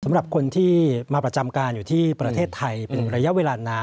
สำหรับคนที่มาประจำการอยู่ที่ประเทศไทยเป็นระยะเวลานาน